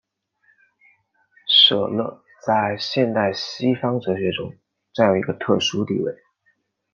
舍勒在现代西方哲学中占有一个特殊地位。